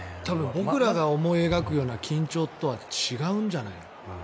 僕らが思い描くような緊張とは違うんじゃないの。